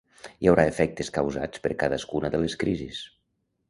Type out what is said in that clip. Hi haurà efectes causats per cadascuna de les crisis.